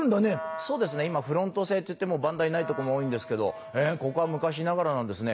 「そうですね今フロント制っつって番台ないとこも多いんですけどここは昔ながらなんですね」。